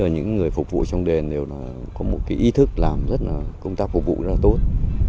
những người phục vụ trong đền đều có một ý thức làm công tác phục vụ rất là tốt